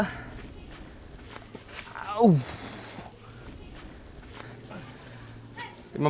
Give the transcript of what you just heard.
lima menit pertama masih kuat